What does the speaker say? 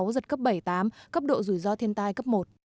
giật cấp bảy tám cấp độ rủi ro thiên tai cấp một